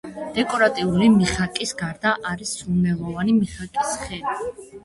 დეკორატიული მიხაკის გარდა არის სურნელოვანი მიხაკის ხე.